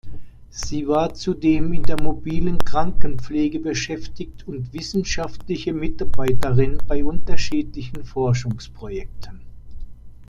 Sie war zudem in der mobilen Krankenpflege beschäftigt und wissenschaftliche Mitarbeiterin bei unterschiedlichen Forschungsprojekten.